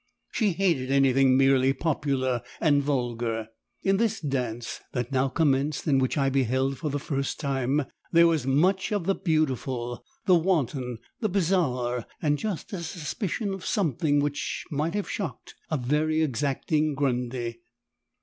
She hated anything merely popular and vulgar. In this dance that now commenced and which I beheld for the first time, there was much of the beautiful, the wanton, the bizarre, and just a suspicion of "something" which might have shocked a very exacting "Grundy."